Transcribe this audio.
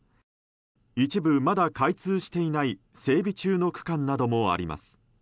一部まだ開通していない整備中の区間などもあります。